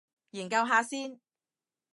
研究下先